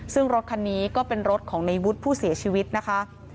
ซึ่งรถคันนี้ก็เป็นรถของในวุฒิผู้เสียชีวิตนะคะ